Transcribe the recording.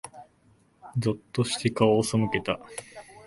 ぞっとして、顔を背けた。